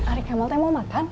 ari kamel teh mau makan